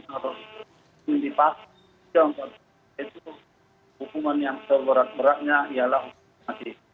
hukuman yang terberat beratnya ialah